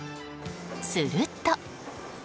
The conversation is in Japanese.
すると。